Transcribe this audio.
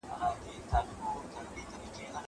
زه به اوږده موده د کتابتون پاکوالی کړی وم.